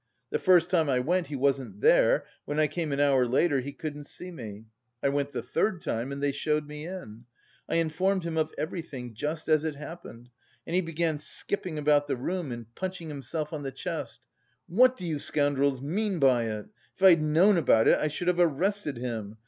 The first time I went he wasn't there, when I came an hour later he couldn't see me. I went the third time, and they showed me in. I informed him of everything, just as it happened, and he began skipping about the room and punching himself on the chest. 'What do you scoundrels mean by it? If I'd known about it I should have arrested him!